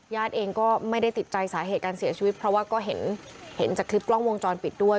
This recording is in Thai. เองก็ไม่ได้ติดใจสาเหตุการเสียชีวิตเพราะว่าก็เห็นจากคลิปกล้องวงจรปิดด้วย